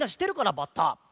バッタ。